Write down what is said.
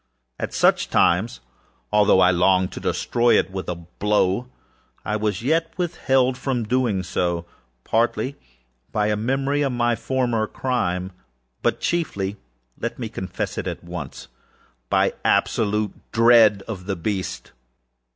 At such times, although I longed to destroy it with a blow, I was yet withheld from so doing, partly by a memory of my former crime, but chieflyâlet me confess it at onceâby absolute dread of the beast.